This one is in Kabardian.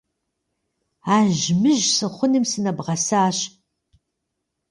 Ажьмыжь сыхъуным сынэбгъэсащ.